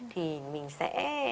thì mình sẽ